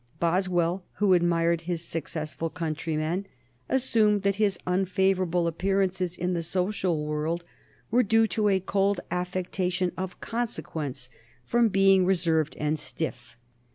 Boswell, who admired his successful countryman, assumed that his unfavorable appearances in the social world were due to a cold affectation of consequence, from being reserved and stiff.